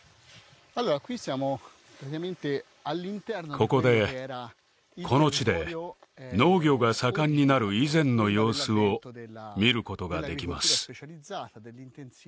ここでこの地で農家が盛んになる以前の様子を見ることができます